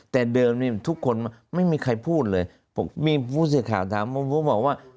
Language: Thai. แต่เดิมนี้ทุกคนไม่มีใครพูดเลยมีผู้สื่อข่าวถามผมก็บอกว่า